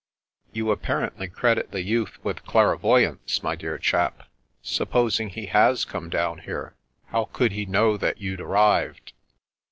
" You apparently credit the youth with clairvoy ance, my dear chap. Supposing he has come down here, how could he know that you'd arrived